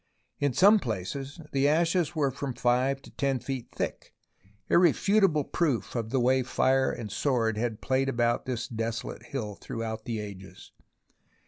In some places the ashes were from 5 to 10 feet thick, irrefutable proof of the way fire and sword had played about this desolate hill throughout the ages.